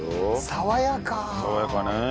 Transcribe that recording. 爽やかね。